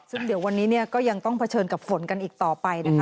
ซึ่งเดี๋ยววันนี้เนี่ยก็ยังต้องเผชิญกับฝนกันอีกต่อไปนะคะ